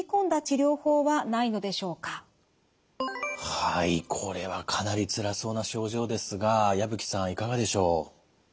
はいこれはかなりつらそうな症状ですが矢吹さんいかがでしょう。